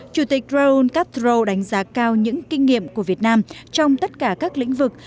chủ tịch raúl castro đánh giá cao những kinh nghiệm của việt nam trong tất cả các lĩnh vực